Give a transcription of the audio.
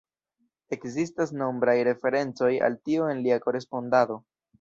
Ekzistas nombraj referencoj al tio en lia korespondado.